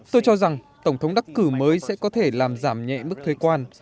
tôi cho rằng tổng thống đắc cử mới sẽ có thể làm giảm nhẹ mức thuế quan